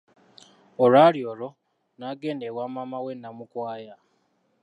Olwali olwo, n'agenda ewa maama we; Namukwaya.